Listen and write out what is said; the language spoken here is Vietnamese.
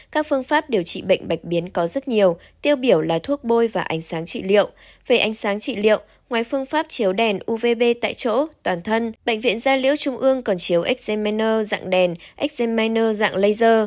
các phương pháp điều trị bệnh bạch biến có rất nhiều tiêu biểu là thuốc bôi và ánh sáng trị liệu về ánh sáng trị liệu ngoài phương pháp chiếu đèn uvb tại chỗ toàn thân bệnh viện gia liễu trung ương còn chiếu ếch gamener dạng đèn exemener dạng laser